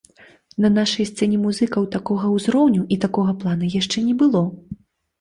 На нашай сцэне музыкаў такога ўзроўню і такога плана яшчэ не было.